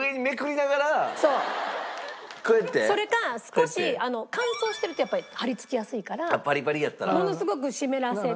それか少し乾燥してるとやっぱり張りつきやすいからものすごく湿らせて。